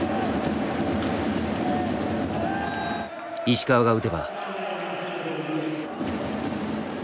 石川が打てば。